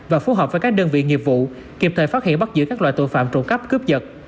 và phù hợp với các đơn vị nghiệp vụ kịp thời phát hiện bắt giữ các loại tội phạm trộm cắp cướp giật